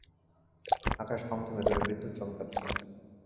আকাশ থমথমে দূরে বিদ্যুৎ চমকাচ্ছে।